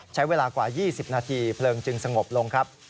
ใช้เวลากว่า๒๐นาทีเพลิงจึงสงบลงครับ